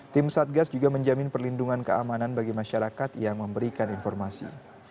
tim satgas juga menjamin perlindungan keamanan bagi masyarakat yang memberikan informasi